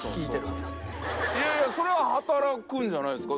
いやいやそれは働くんじゃないですか？